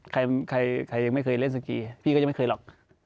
ใครยังไม่เคยเล่นสกีพี่ก็ยังไม่เคยหรอก